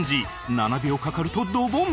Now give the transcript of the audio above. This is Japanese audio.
７秒かかるとドボン